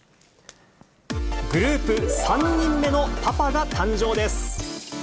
グループ３人目のパパが誕生です。